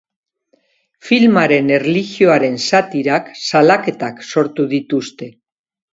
Filmaren erlijioaren satirak salaketak sortu zituen.